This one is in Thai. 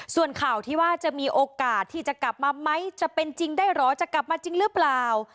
ส่วนข่าวที่ว่าจะมีโอกาสที่จะกลับมาไหมจะเป็นจริงได้เหรอจะกลับมาจริงหรือเปล่า